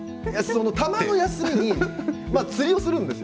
たまの休みに釣りをするんです。